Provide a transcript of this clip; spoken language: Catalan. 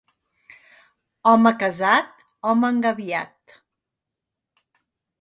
Home casat, home engabiat.